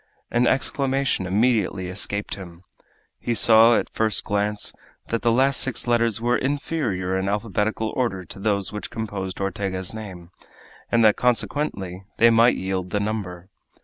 An exclamation immediately escaped him. He saw, at first glance, that the six last letters were inferior in alphabetical order to those which composed Ortega's name, and that consequently they might yield the number.